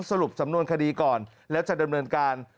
สรุปสำนวนคดีก่อนแล้วจะดำเนินการ